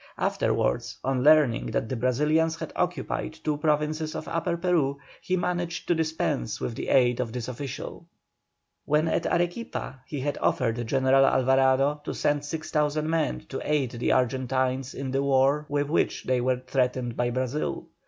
Afterwards, on learning that the Brazilians had occupied two provinces of Upper Peru, he managed to dispense with the aid of this official. When at Arequipa, he had offered General Alvarado to send 6,000 men to aid the Argentines in the war with which they were threatened by Brazil.